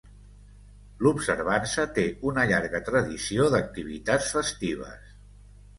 L'observança té una llarga tradició d'activitats festives.